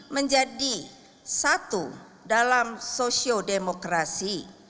menjadi satu dalam sosiodemokrasi